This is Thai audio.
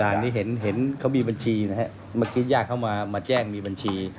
ด่านนี้เห็นเขามีบัญชีนะครับเมื่อกี้ย่าเขามามาแจ้งมีบัญชี